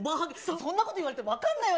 そんなこと言われても分かんないわよ。